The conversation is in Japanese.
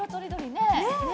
ねえ！